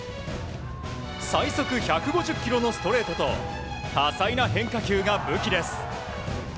最速１５０キロのストレートと多彩な変化球が武器です。